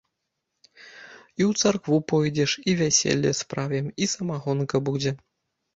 І ў царкву пойдзеш, і вяселле справім, і самагонка будзе!